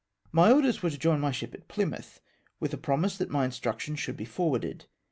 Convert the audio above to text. My orders were to join my ship at Plymouth, with a promise that my instructions should be forwarded.